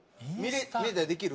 見れたりできる？